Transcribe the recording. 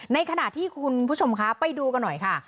ในขณะที่คุณผู้ชมคะไปดูกันหน่อยค่ะ